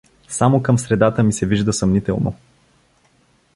— Само към средата ми се вижда съмнително.